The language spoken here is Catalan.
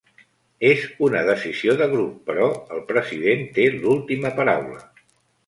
Es una decisió de grup però el president té l'última paraula.